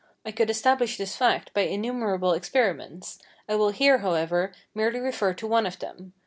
I could establish this fact by innumerable experiments; I will here, however, merely refer to one of them.